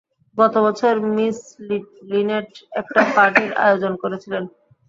গত বছর miss Lynette একটা পার্টির আয়োজন করেছিলেন।